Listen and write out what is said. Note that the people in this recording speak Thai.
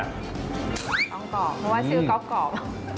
ต้องกรอบเพราะว่าซื้อกรอบ